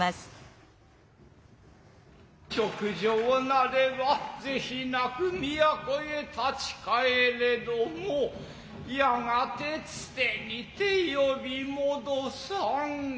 勅諚なれば是非なく都へ立ち帰れどもやがてつてにて呼び戻さん。